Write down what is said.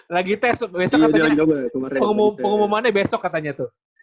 lagi tes besok katanya pengumumannya besok katanya tuh